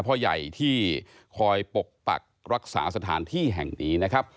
พ่อใหญ่ที่คอยปกปักรักษาสถานที่แห่งนี้นะครับ